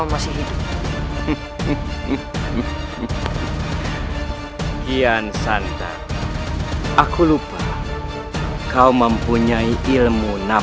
masuklah ke dalam